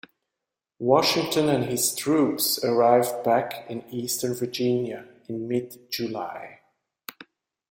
Washington and his troops arrived back in eastern Virginia in mid-July.